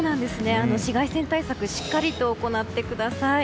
紫外線対策しっかりと行ってください。